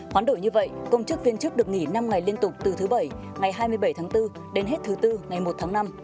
hoán đổi như vậy công chức viên chức được nghỉ năm ngày liên tục từ thứ bảy ngày hai mươi bảy tháng bốn đến hết thứ bốn ngày một tháng năm